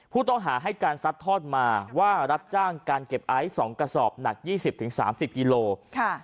ผู้ต้องหาให้การซัดทอดมาว่ารับจ้างการเก็บไอซ์๒กระสอบหนัก๒๐๓๐กิโลกรัม